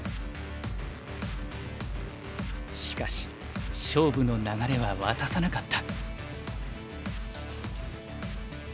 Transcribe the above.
しかし勝負の流れは渡さなかった。